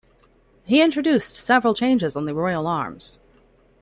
He introduced several changes on the royal arms.